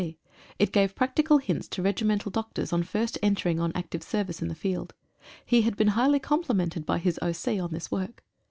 C. It gave practical hints to regimental doctors on first entering on active service in the field. He had been highly complimented by his O.C. on this work.